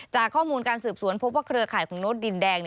จากข้อมูลการสืบสวนพบว่าเครือขายโน๊ตดินแดง